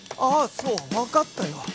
あそうわかったよ